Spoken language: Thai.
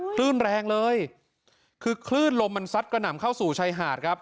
คลื่นแรงเลยคือคลื่นลมมันซัดกระหน่ำเข้าสู่ชายหาดครับ